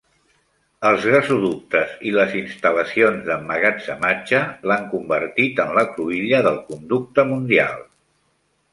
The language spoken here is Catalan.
Els gasoductes i les instal·lacions d'emmagatzematge l'han convertit en la cruïlla del conducte mundial.